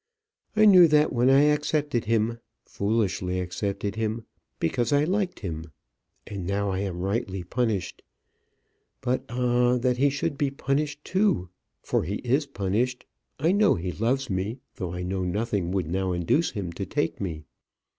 I knew that when I accepted him, foolishly accepted him because I liked him, and now I am rightly punished. But, ah! that he should be punished too! for he is punished. I know he loves me; though I know nothing would now induce him to take me.